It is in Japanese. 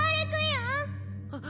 あっ！